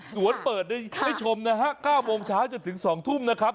เปิดให้ชมนะฮะ๙โมงเช้าจนถึง๒ทุ่มนะครับ